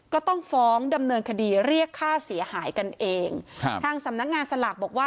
ก็ต้องฟ้องดำเนินคดีเรียกค่าเสียหายกันเองครับทางสำนักงานสลากบอกว่า